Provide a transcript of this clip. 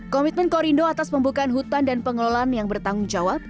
komitmen korindo atas pembukaan hutan dan pengelolaan yang bertanggung jawab